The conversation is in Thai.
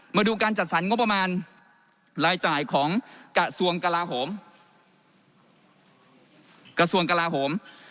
มาดูการจัดสรรงบประมาณรายจ่ายของกระทรวงกลาโหม